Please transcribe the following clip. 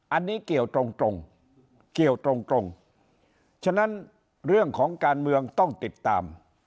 อันนี้เกี่ยวตรงเกี่ยวตรงฉะนั้นเรื่องของการเมืองต้องติดตาม